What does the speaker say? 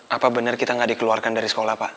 apa bener kita gak dikeluarkan dari sekolah pak